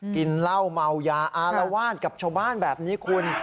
กินเหล้าเมายาอารวาสกับชาวบ้านแบบนี้คุณ